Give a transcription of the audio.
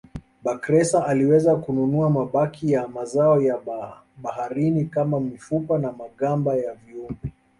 Bakhresa aliweza kununua mabaki ya mazao ya baharini kama mifupa na magamba ya viumbe